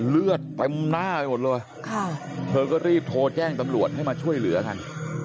เลือดเต็มหน้าไปหมดเลยเธอก็รีบโทรแจ้งตำรวจให้มาช่วยเหลือกัน